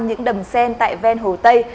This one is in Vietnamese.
những đầm sen tại ven hồ tây